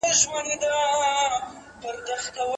نه طاووس چي